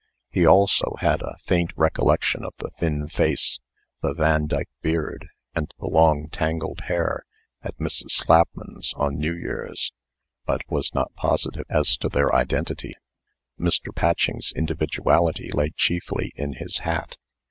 He also had a faint recollection of the thin face, the Vandyke beard, and the long, tangled hair at Mrs. Slapman's, on New Year's, but was not positive as to their identity. Mr. Patching's individuality lay chiefly in his hat.